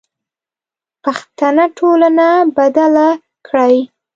پښتنه ټولنه بدله کړئ.